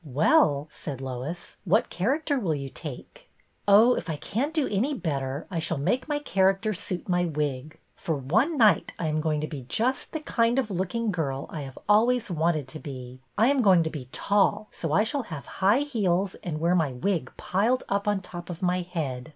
" Well," said Lois, " what character will you take ?"" Oh, if I can't do any better I shall make my character suit my wig. For one night I am going to be just the kind of looking girl I have always wanted to be. I am going to be tall, so I shall have high heels and wear my wig piled up on top of my head.